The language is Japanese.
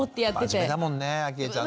真面目だもんねあきえちゃんね。